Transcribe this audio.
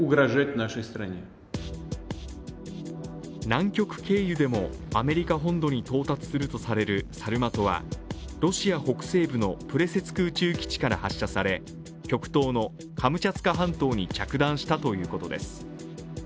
南極経由でもアメリカ本土に到達するとされるサルマトはロシア北西部のプレセツク宇宙基地から発射され極東のカムチャツカ半島に着弾したということです。